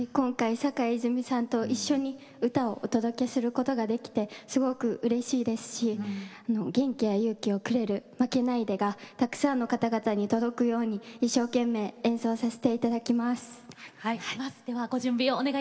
坂井泉水さんと一緒に歌をお届けすることができてすごくうれしいですし元気や勇気をくれ「負けないで」がたくさんの方々に届くように一生懸命演奏させていただきます。